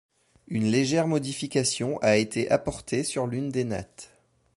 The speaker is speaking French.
Une légère modification a été apportée sur l'une des nattes.